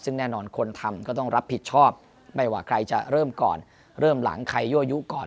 ซึ่งแน่นอนคนทำก็ต้องรับผิดชอบไม่ว่าใครจะเริ่มก่อนเริ่มหลังใครยั่วยุก่อน